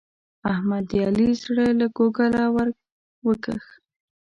احمد د علي زړه له کوګله ور وکېښ.